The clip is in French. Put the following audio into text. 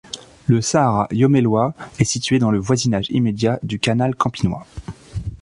Le Sahara lommelois est situé dans le voisinage immédiat du Canal campinois.